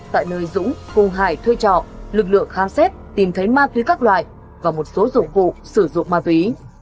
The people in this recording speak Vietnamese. tại nơi dũng cùng hải thuê trọ lực lượng khám xét tìm thấy ma túy các loại và một số dụng cụ sử dụng ma túy